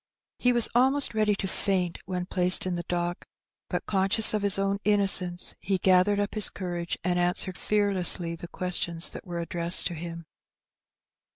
He was almost ready to faint when placed in the dock ; but^ conscious of his own innocence^ he gathered up his courage^ and answered fearlessly the questioBB that were addressed to him.